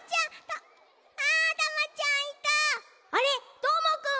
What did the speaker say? どーもくんは？